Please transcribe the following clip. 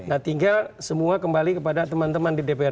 nah tinggal semua kembali kepada teman teman di dpr